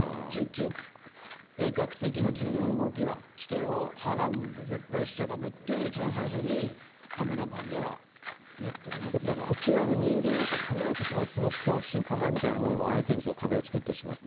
鋭角的な急な動きは危険をはらむので絶対しちゃ駄目というの一番最初にこちら側の人間が構えてしまうと恐怖心相手に壁をつくってしまう。